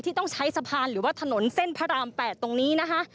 ต้องใช้สะพานหรือว่าถนนเส้นพระราม๘ตรงนี้นะคะ